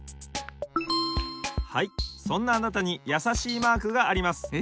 はいそんなあなたにやさしいマークがあります。